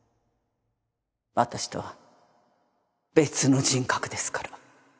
私とは別の人格ですから。